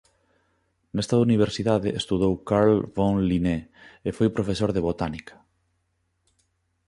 Nesta universidade estudou Carl von Linné e foi profesor de botánica.